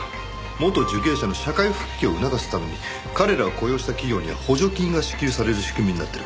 元受刑者の社会復帰を促すために彼らを雇用した企業には補助金が支給される仕組みになってる。